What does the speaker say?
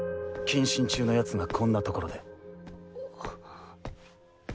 謹慎中の奴がこんなところで。